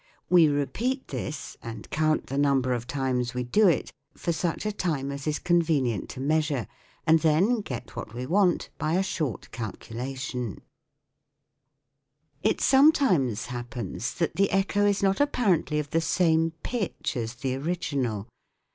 We repeat this, and count the number of times we do it, for such a time as is convenient to measure, and then get what we want by a short calculation. SOUNDS OF THE COUNTRY 125 It sometimes happens that the echo is not apparently of the same pitch as the original.